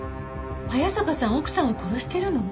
早坂さん奥さんを殺してるの？